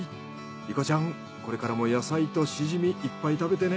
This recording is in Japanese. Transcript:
莉心ちゃんこれからも野菜とシジミいっぱい食べてね。